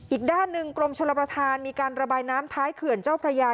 อีกด้านหนึ่งกรมชลประธานมีการระบายน้ำท้ายเขื่อนเจ้าพระยา